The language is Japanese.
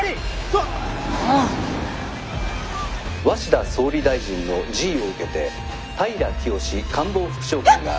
「鷲田総理大臣の辞意を受けて平清志官房副長官が」。